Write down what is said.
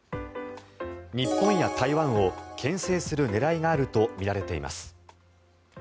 日本や台湾をけん制する狙いがあるとみられています。